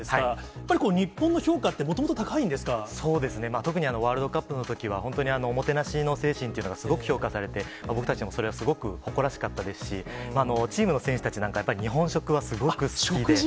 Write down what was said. やっぱり日本の評価って、特にワールドカップのときは、本当におもてなしの精神っていうのがすごく評価されて、僕たちもそれはすごく誇らしかったですし、チームの選手たちなんか、やっぱり日本食はすごく好きで。